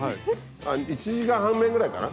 あっ１時間半目ぐらいかな